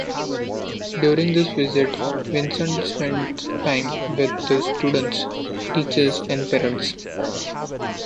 During this visit, Vincent spent time with the students, teachers, and parents.